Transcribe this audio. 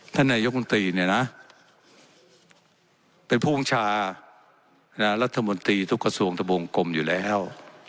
ท่านนายกด้วยเป็นผู้องชารัฐมนตรีทุกกระทรวงกลมอยู่แล้ว